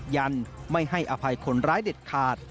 ยันไม่ให้อภัยคนร้ายเด็ดขาด